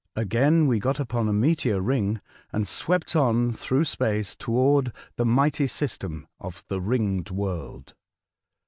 Again we got upon a meteor ring, and swept on through space toward the mighty system of the Ringed World.